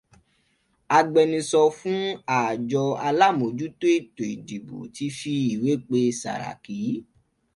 Agbẹnusọ fún àjọ alámòójútó ètò ìdìbò ti fi ìwé pe Sàràkí